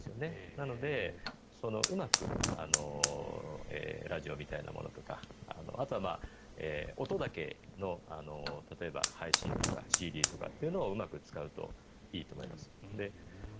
なので、うまくラジオみたいなものとかあとは音だけの例えば配信とかＣＤとかをうまく使うといいと思います。